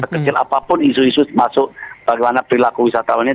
kecil apapun isu isu masuk bagaimana perilaku wisatawannya